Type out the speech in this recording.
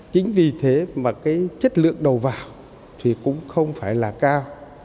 chính vì thế mà cái chất lượng đầu vào thì cũng không phải là cao